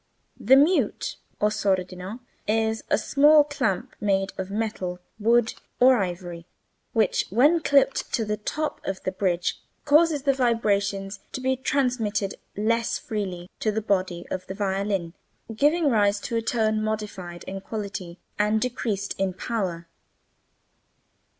] The mute (or sordino) is a small clamp made of metal, wood, or ivory, which when clipped to the top of the bridge causes the vibrations to be transmitted less freely to the body of the violin, giving rise to a tone modified in quality, and decreased in power.